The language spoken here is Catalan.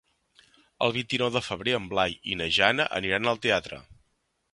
El vint-i-nou de febrer en Blai i na Jana aniran al teatre.